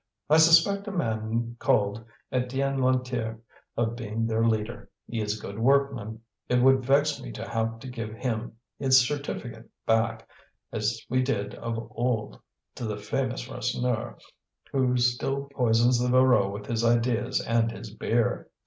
I suspect a man called Étienne Lantier of being their leader. He is a good workman; it would vex me to have to give him his certificate back, as we did of old to the famous Rasseneur, who still poisons the Voreux with his ideas and his beer.